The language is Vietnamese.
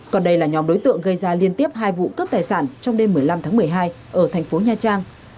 còn đây là nhóm đối tượng gây ra liên tiếp hai vụ cướp tài sản trong đêm một mươi năm tháng một mươi hai ở thành phố nha trang